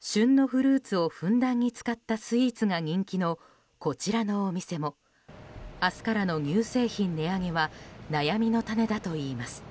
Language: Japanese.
旬のフルーツをふんだんに使ったスイーツが人気のこちらのお店も明日からの乳製品値上げは悩みの種だといいます。